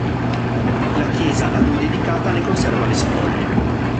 La chiesa a lui dedicata ne conserva le spoglie.